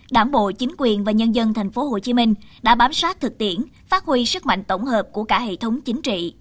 đảng bộ chính quyền và nhân dân tp hcm đã bám sát thực tiễn phát huy sức mạnh tổng hợp của cả hệ thống chính trị